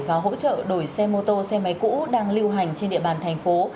và hỗ trợ đổi xe mô tô xe máy cũ đang lưu hành trên địa bàn thành phố